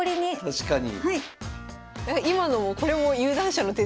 確かに。